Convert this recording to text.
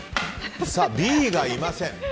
さあＢがいません。